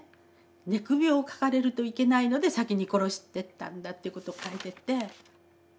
寝首をかかれるといけないので先に殺してったんだということを書いてて。